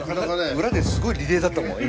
裏ですごいリレーだったもん